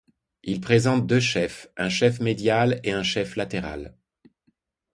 Il présente deux chefs: un chef médial et un chef latéral.